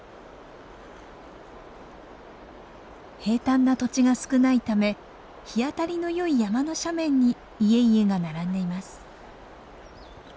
平たんな土地が少ないため日当たりのよい山の斜面に家々が並んでいます。